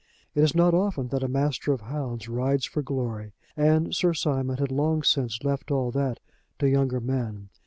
It is not often that a master of hounds rides for glory, and Sir Simon had long since left all that to younger men.